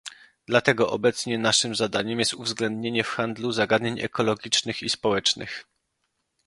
Dlatego obecnie naszym zadaniem jest uwzględnienie w handlu zagadnień ekologicznych i społecznych